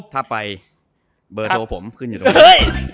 ถ้าไปเบอร์โทรผมขึ้นอยู่ตรงนี้